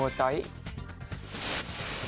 อื้มโอ๊ยจ๊อย